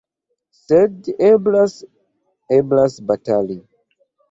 Sed eblas, eblas batali!